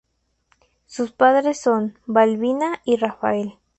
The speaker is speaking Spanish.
Sus padres son: Balbina y Rafael.